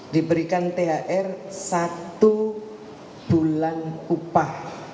diberikan thr satu bulan upah